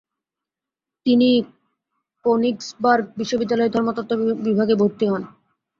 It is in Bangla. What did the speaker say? তিনি কোনিগ্সবার্গ বিশ্ববিদ্যালয়ের ধর্মতত্ত্ব বিভাগে ভর্তি হন।